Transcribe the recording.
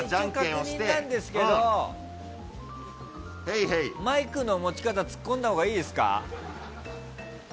一応、確認なんですけどマイクの持ち方ツッコんだほうがいいですか？